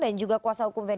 dan juga kuasa hukum fdu